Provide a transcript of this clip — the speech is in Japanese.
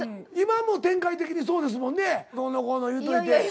今も展開的にそうですもんねどうのこうの言うといて。